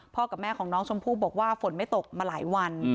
กับแม่ของน้องชมพู่บอกว่าฝนไม่ตกมาหลายวัน